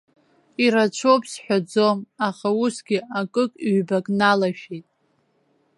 Ирацәоуп сҳәаӡом, аха усгьы акык-ҩбак налашәеит.